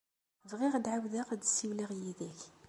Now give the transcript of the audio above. Bɣiɣ ad ɛawdeɣ ad ssiwleɣ yid-k.